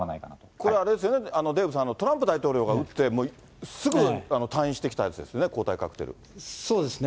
これ、あれですよね、デーブさん、トランプ大統領が打って、すぐ退院してきたやつですよね、抗体カそうですね。